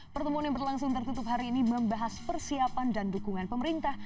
pertemuan yang berlangsung tertutup hari ini membahas persiapan dan dukungan pemerintah